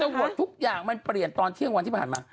หมดทุกอย่างมันเปลี่ยนตอนเที่ยงวันที่ผ่านมา